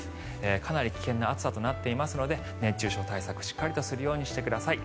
かなり危険な暑さとなっていますので熱中症対策しっかりとするようにしてください。